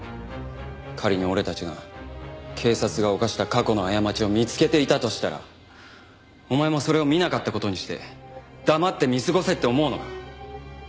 仮に俺たちが警察が犯した過去の過ちを見つけていたとしたらお前もそれを見なかった事にして黙って見過ごせって思うのか？